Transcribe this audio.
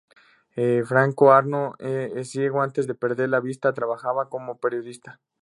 Franco Arno es ciego, antes de perder la vista trabajaba como periodista.